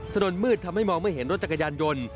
ถนนมืดทำให้มองไม่เห็นรถจักรยานยนต์